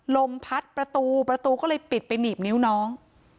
ลมพัดประตูประตูก็เลยปิดไปหนีบนิ้วน้อง